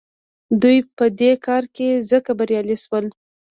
دوی په دې کار کې ځکه بریالي شول.